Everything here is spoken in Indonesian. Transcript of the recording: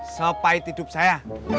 sepahit hidup saya